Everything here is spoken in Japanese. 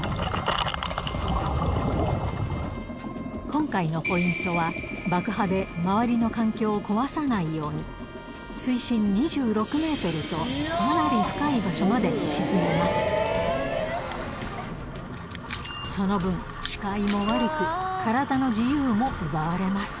今回のポイントは、爆破で周りの環境を壊さないように、水深２６メートルと、かなり深い場所まで沈めます。